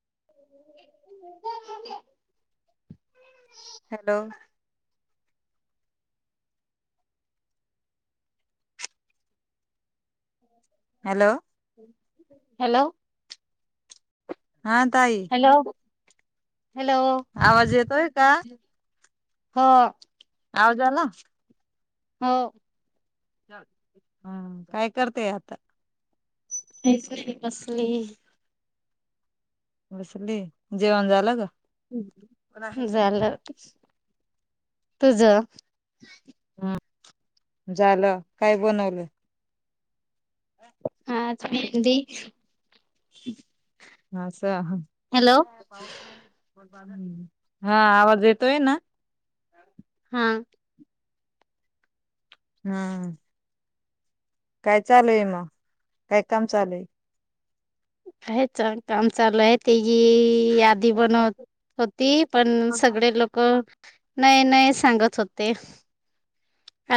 [unintelligible] Hello hello hello हा ताई hello hello आवाज येतोय का हा याा जाला हो हा काय करतेय आता हेच बसली बसली जेवण झालं ग हम्म झालं तुझ हम् झालं काय बनवलं [unintelligible] हा च हॅलो [unintelligible] हा आवाज येतोय ना. हा! हा! काय चालूय म काय, काम चालूय? हे चां काम चालू आहे ते ये यादी बनव होती, पण सगळे लोक नाही, नाही, सांगत होते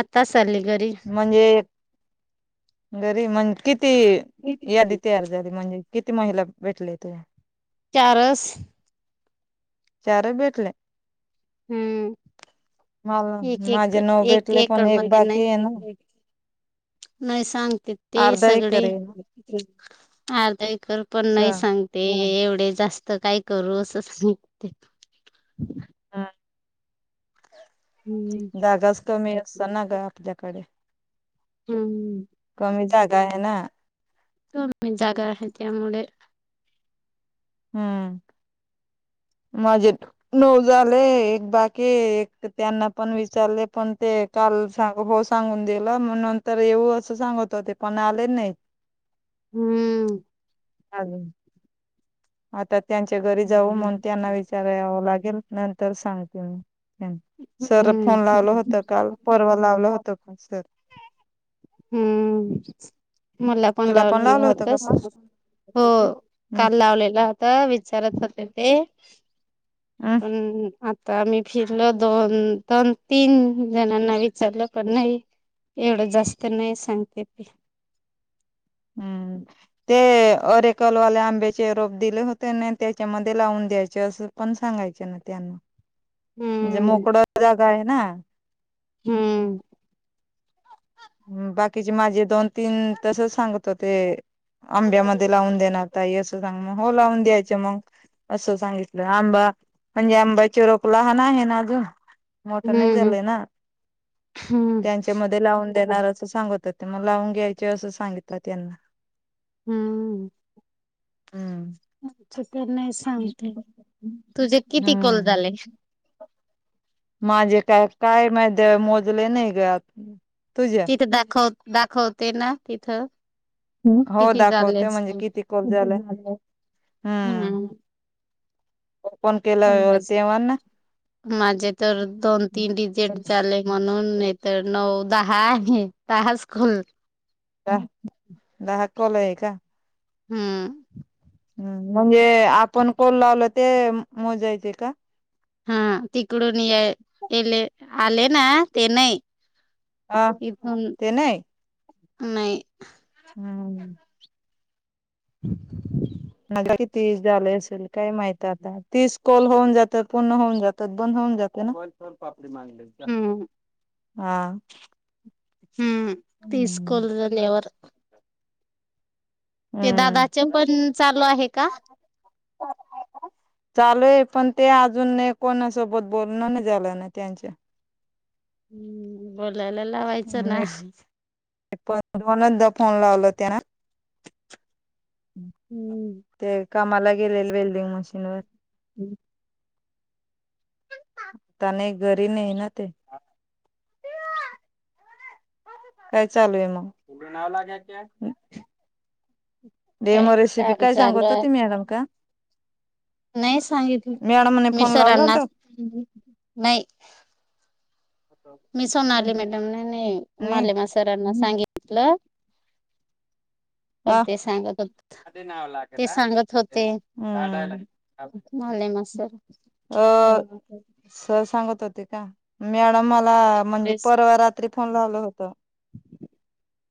आता चाली घरी म्हणजे घरी म्हण किती यादी तयार झाली, म्हणजे किती महिला भेटले तुया चारस चार भेटल्या. हम्म माला एक एक माझे नऊ एक भेटले पण एकड एक मध्ये बाक नाही सांगते ते अर्धा सगडे एकर आहे अर्धा एकर पण स नाही सांगते एवढे जास्त, काय करू असं सांगते हम्म. जागा च कमी असता ना गं आपल्याकडे हूं! कमी जागा आहे ना कमी जागा आहे त्यामुळे हूं! [inaudible] माझे नऊ झाले, एक बाकी, एक त त्यांना पण विचारले पण ते का काल सांग हो सांगून दिलं म नंतर येऊ असं सांगत होते पण आले नाही हूं! अजून आता त्यांच्या घरी जाऊ, मंग त्यांना विचारयावं लागेल नंतर सांगते मी सर हम्म. फोन लावलं होत, काल परवा लावलं होत का सर हूं! मला पण तुला लावलेलं लावलं होतं, का हो हम् काल लावलेला होता वि चारत होते ते. हम् पण आता मी फिरलं दोन, दोन, तीन, जणांना विचारलं पण नाही एवढं जास्त नाही सांगते ते. हूं ते अरेकलवाले आंब्याचे रोप दिले होते न त्याच्यामध्ये लावून द्यायचे असं पण सांगायचे ना त्यांना, म्हणजे हम्म मोकडं जागा आहे ना हूं! बाकीचे माझे दोन तीन तस सांगत होते आंब्यामध्ये लावून देणार ताई, असं सांग म हो लावून द्यायच मग असं सांगितलं आंबा म्हणजे आंबाची रोप लहान आहे ना अजून मोठं नाही हम्म झालंय ना हम्म त्यांच्या मध्ये लावून देणार असं सांगत होते, म लाऊन घ्यायचे असं सांगितलं त्यांना. हूं! हम्म अच्छा तर नाही सांगते, तुझे किती कॉल हम्म झाले माझे काय, काय, माहीद मोजले नाही ग आज तिथं दाखव दाखवते ना तिथं हो किती झाले दाखवते म्हणजे असतील. किती कोल झाले हूं. हम्म माझे तर दोन, तीन का डिजेट झाले म्हणून नाही तर नऊ, दहा आहे, दहा स्कूल दा दहा कॉल आहे का? हम्म. हम् म्हणजे आपण कोल लावलं ते मोजायचे का? हा तिकडून याय येले आले ना ते नाही. अ ते न्हाय. नाई हम. [inaudible] मला किती झाले असेल काय माहित आता? तीस कॉल होऊन जातात पूर्ण होऊन जातात बंद होऊन जातं ना बनकर पापडी मागाली ए चा हम्म हा हम्म तीस हम्म कॉल झाल्यावर ते दादाचे पण चालू आहे का? चालू हाय का? चालू आये पण ते अजून नाय, कोणासोबत बोलण नाही झालं ना त्यांच्या हम्म बोलायला लावायचं ना. मी पण दोनदा फोन लावला हो त्या ना हम्म. कामाला गेलेले वेल्डिंग मशीन वर हम्म. जाताने घरी ने ना ते [inaudible] काय चालू हाय मग? डेमो काय रेसिपी काम काय चालू सांगत आहे होती मॅडम का? नाही सांगितलं मॅडमने मी फोन लावला होता सरांनाच नाही. मी सोनाली मॅडम ना आणि ही नाही मालेमा सरांना सांगितल. हॅलो. हा ते सांगत ते सांगत होते. हले मसर अ सर सांगत होते का मॅडम मला म्हणजे परवा रात्री काल लावलं होत.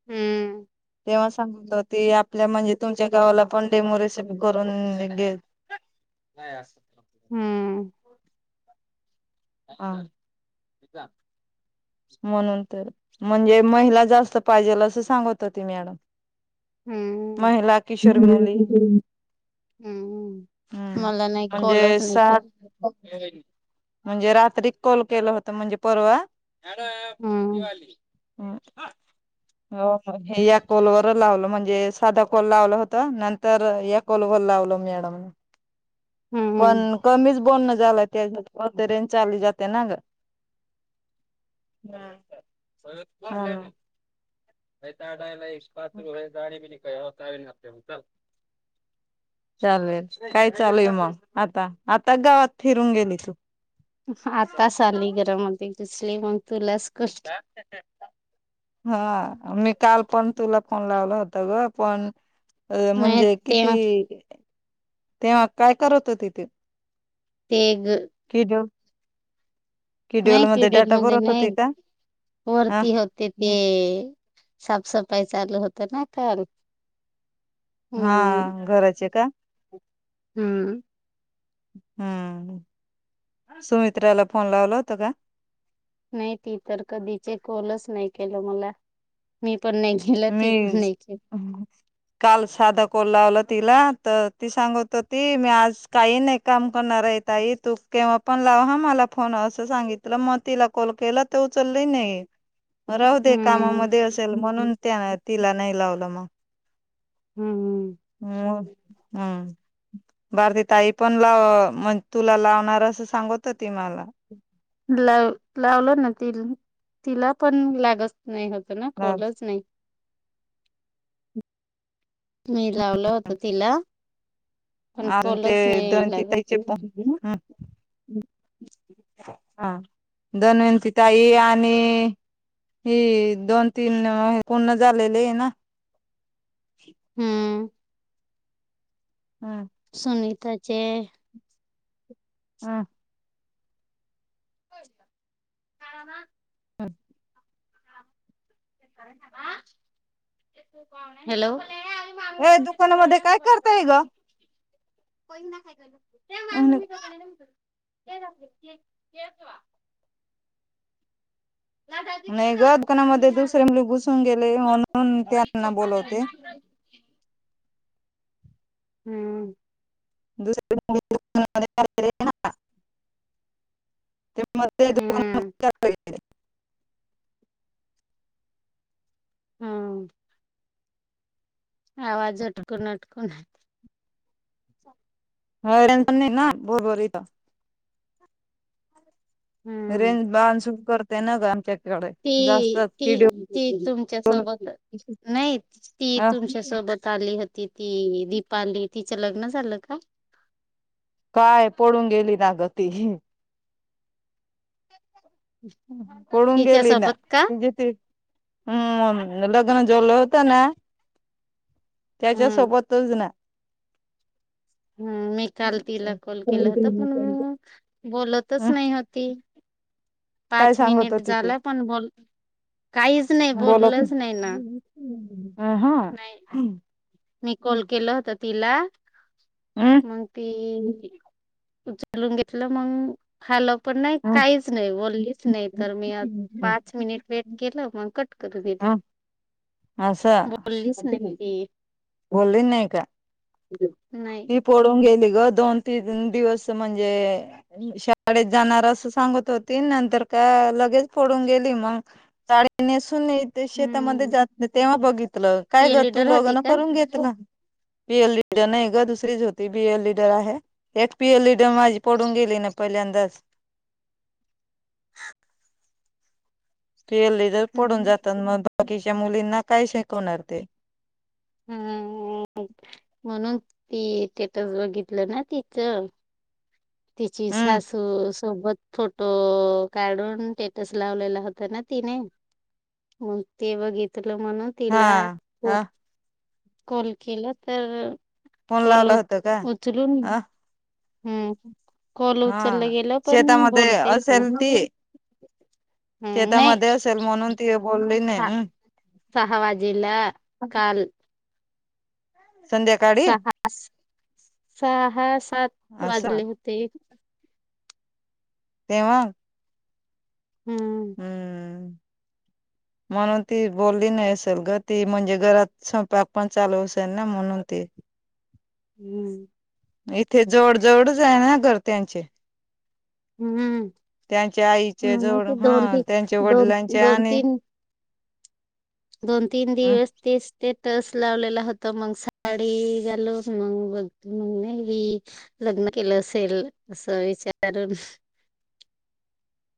हम्म. तेव्हा सांगित होती, आपल्या म्हणजे तुमच्या गावाला पण डेमोरेसिपी करून घेल नाही असं. हम्म हा. म्हणून तर म्हणजे महिला जास्त पाहिजेल असं सांगत होती मॅडम हम्म महिला की शर्मली ह. हम्म हम्म मला नाही म्हणजे कॉलच नाही सात केला म्हणजे रात्री कॉल केलं होत म्हणजे परवा मॅडम [unintelligible] हम्म वाली हो हो या कोलवर लावलं म्हणजे, साधा कोल लावलं होता नंतर या कोलवर लावला मॅडमनी [inaudible] पण हम्म कमिच बोलणं झालं त्याच्या होती रेंज चाली जातिया ना ग हा हा. [unintelligible] चालेल काय चालू आहे मग आता आता गावात फिरून गेली तू आतास आली गरामध्ये दिसली, मग तुलाच कॉल हा मी काल पण तुला फोण लावला होता. होता ग पण अ नाही म्हणजे ते किती? तेव्हा काय करत होते ते ते ग किड्युल नाही किड्युल केल मध्ये डाटा नाही केलं भरत होती मल का? अ वरती होते ते साप काय चालू होतं ना काल म्हणून हा घराचे का हम्म हम्म सुमित्राला फोन लावला होत का नाही ती तर कधीचे कोलच नाही केलं मला मी पण नाही केलं मी ती पण नाही केली काल साधा कोल लावला तिला तर ती सांगत होती मी आज काही नाही काम करणार आहे ताई तू केव्हा पण ह मला फोन असं सांगितलं मग तिला कॉल केला ते उचल नाही राहू दे हम्म कामामध्ये असेल म्हणून त्या तिला नाही लावलं मग हम्म हम् हम् बारती ताई पण लाव म तुला लावणार असं सांगत मला लाव लावलं ना तील तिला पण लावला पण नाही होत ना कोलच नाही मी लावलं होत तिला पण अजून ते काॅलच नाही दंती लगत ताईचे [unintelligible] हा धविंतीिताई आणि ही दोन तीन पूर्ण झालेले आहे ना हम्म हम्म सुनीताचे हम हो कारण अ हॅलो हे दुकानामध्ये काय करताय ग या मामी मी करते या नाही दुकाणामध्ये दुसरे घुसून गेले म्हणून त्यांना बोलवते ह हम्म दस ते म ते दोघ हम्म हम्म आवाज अटकून अटकून ह टेशन नाही ना भरु भरु ईथे हम्म रेंज बाहान सुरू करतेय ना ग आमच्या ती त ती तुमच्या सोबतच नाही ती अ तुमच्या सोबत आली होती ति ती दिीपाली तिचं लग्न झालं का काय पळून गेली ना गती पळून गेली ना तिच्यासोबत का ज हम् ल न जल होत ना त्याच्या हम्म सोबतच ना हम मी काल तिला कॉल केला होता पण म बोलतच अ नाही होती काय पाच सांगत मिनिट होती झाला पण बोल काहीच नाही बोला बोललंच नाही ना नाही मी कॉल केल होत तिला हम्म मग ती उचलून घेतलं मग हल पण नाही काहीच नाही बोललीच नाही तर ह मी पाच मिनिट वेट केलं मग कट करून घल [unintelligible] असं हो ते- बोलली नाही का नाही ती पडून गेली ग दोन तीन दिवस म्हणजे शाळेत जाणार अस सांगत होती नंतर लगेच फोडून गेली मग शेतामध्ये हम्म जात नाही तेव्हा बघितलं काय ती कर तू लिडर लो होती का ह पीएल डर नाही ग दुसरीच होती बीएल लीडर आहे एक पीएल डर माझी पडून गेली नाही पण पहिल्यांदाच [unintelligible] तू येल्ली तर पडून हम्म जातात मग बाकीच्या मुलींना काय शिकवणार ते हम्म म्हणून तीथटच बघितलं ना तिच. तिची हम्म सासू. सोबत फोटो काढून स्टेटस लावलेला होता ना तिने. मग ते बघितलं होत. म्हणून हा तिला ह कॉल केला तर. फोन कॉल लावला होता का उचलूनून अ हम् हा शेतामध्ये बोलतेच नाही असेल ती. हम्म नाही शेतामध्ये असेल म्हणून ती बोलली नाही. सहावाजला काल. संध्याकाळी सहा सहा सात असं वाजले होते. तेव्हा. हम्म हम्म [inaudible] म्हणून ती बोलली नाही असेल ग ती म्हणजे घरात स्वपाक पण चालू असेल ना म्हणून ती [inaudible] हम्म इथे जवळ जवळच आहे ना घर त्यांचे हम्म त्यांच्या आईचे हम जवळ ते हा दोन ती त्यांच्या दोन वडिलांचे दोन आणि तीन. दोन तीन दिवस ते स्टेट, तस लावलेलं होत मग साडी घालो मग बघ मग न केलं असेल असं विचारून.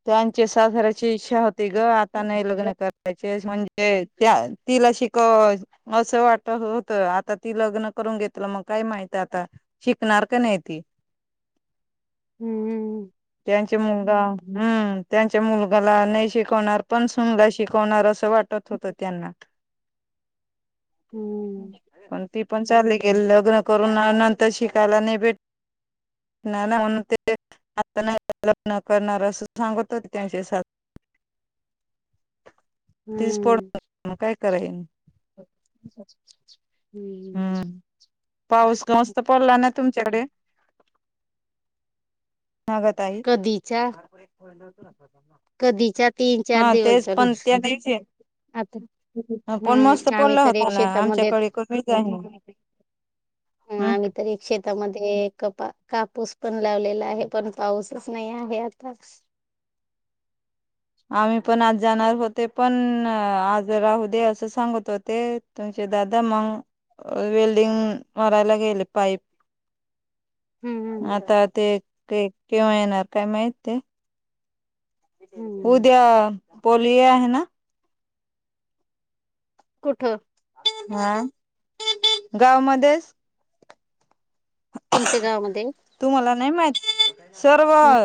त्यांची सासऱ्या ची इच्छा होती ग आता नाही लग्न करायचे म्हणजे. ते त्या तिला शिकव असं वाटत होत आता ती लग्न करून घेतलं मग. काय माहित आता शिकणार का नाही ती. हम्म् त्याचा मुलगा त्या चा मुलगाला नाही शिकवणार पण सुनला शिकवणार असं. वाटत होत त्यांना. हम्म [unintelligible] ती पण चाली गेली लग्न करून नंतर शिकायला नाही भेट. नाना मण ते आ न करणार. सांगत त्यांचे. ती स्फोड हम्म काय करईन. हम्म् पाऊस मस्त पडला ना तुमच्याकडे. नाग ताई. कधीच्या कधीच्या तीन चार हा दिवस तेच झाले पण त्या जायचे. आता पण मस्त हम्म आम्ही पडला तर एक होता ना शेतामध्ये आमच्याकडे. का हम्. ते कपा कापूस पण लावलेला आहे पण पाऊसच नाही आहे आता. [unintelligible] आम्ही पण आज जाणार होते पण आज राहू दे असं सांगत होते तुम दादा मग वेल्डिंग मरायला गेले पाईप. [inaudible] हम्म आता ते केव्हा येणार काय माहित ते. हम्म उद्या पोलिओ आहे ना. कुठ? हा गावमध्येच. तुमच्या गावामध्ये. तुम्हाला नाही माहिती सर्व.